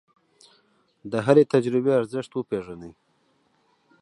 د هرې تجربې ارزښت وپېژنئ.